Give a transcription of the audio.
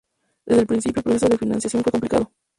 Desde el principio, el proceso de financiación fue complicado.